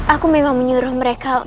aku memang menyuruh mereka